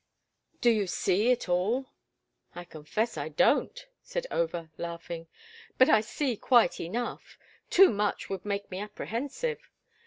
Do you see it all?" "I confess I don't," said Over, laughing. "But I see quite enough—too much would make me apprehensive.